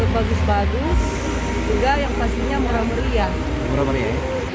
bagus bagus juga yang pastinya murah meriah